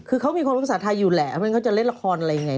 คือเขามีความรักษาไทยอยู่แหละมันก็จะเล่นละครอะไรอย่างไร